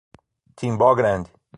Timbó Grande